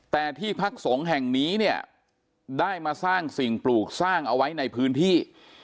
แต่ที่พักสงฆ์แห่งนี้เนี่ยได้มาสร้างสิ่งปลูกสร้างเอาไว้ในพื้นที่